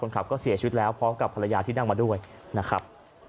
ขับก็เสียชีวิตแล้วพร้อมกับภรรยาที่นั่งมาด้วยนะครับ